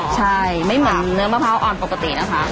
ใช่ไม่เหมือนเนื้อมะพร้าวอ่อนปกตินะคะ